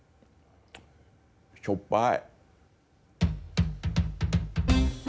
「しょっぱい」。